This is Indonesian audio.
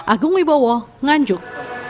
agung wibowo nganjuk